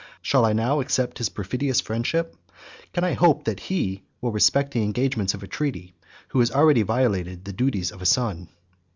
Shall I now accept his perfidious friendship? Can I hope that he will respect the engagements of a treaty, who has already violated the duties of a son?"